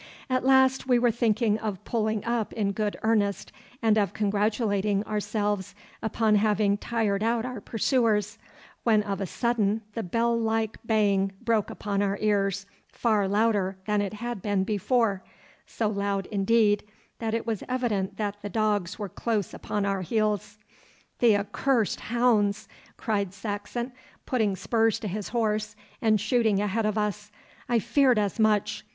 At last we were thinking of pulling up in good earnest, and of congratulating ourselves upon having tired out our pursuers, when of a sudden the bell like baying broke upon our ears far louder than it had been before so loud, indeed, that it was evident that the dogs were close upon our heels. 'The accursed hounds!' cried Saxon, putting spurs to his horse and shooting ahead of us; 'I feared as much.